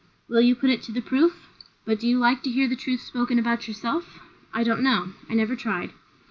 "Will you put it to the proof? But do you like to hear the truth spoken about yourself?" "I don't know. I never tried."